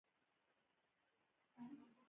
له دوی نه د تېلو او تازه غوړیو بوی راته.